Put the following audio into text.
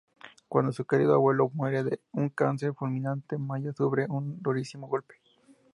Cuando su querido abuelo muere de un cáncer fulminante, Maya sufre un durísimo golpe.